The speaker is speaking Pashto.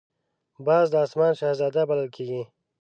باز د آسمان شهزاده بلل کېږي